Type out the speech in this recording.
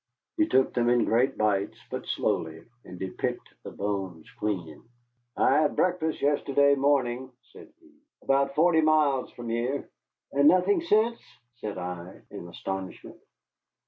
He took them in great bites, but slowly, and he picked the bones clean. "I had breakfast yesterday morning," said he, "about forty mile from here." "And nothing since?" said I, in astonishment.